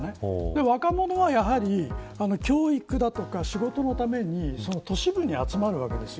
若者は、やはり教育や仕事のために都市部に集まるわけです。